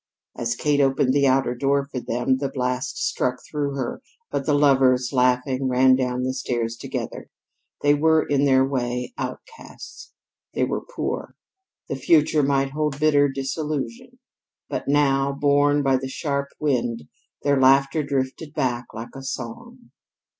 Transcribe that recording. As Kate opened the outer door for them, the blast struck through her, but the lovers, laughing, ran down the stairs together. They were, in their way, outcasts; they were poor; the future might hold bitter disillusion. But now, borne by the sharp wind, their laughter drifted back like a song.